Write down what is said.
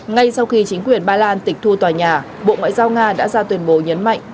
ngay sau khi chính quyền ba lan tịch thu tòa nhà bộ ngoại giao nga đã ra tuyên bố nhấn mạnh